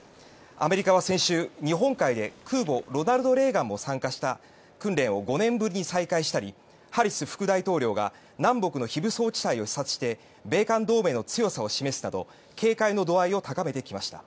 アメリカは先週、日本海で空母「ロナルド・レーガン」も参加した訓練を５年ぶりに再開したりハリス副大統領が南北の非武装地帯を視察して米韓同盟の強さを示すなど警戒の度合いを高めてきました。